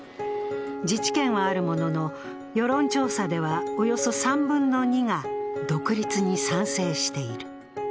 自治権はあるものの、世論調査ではおよそ３分の２が独立に賛成している。